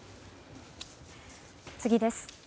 次です。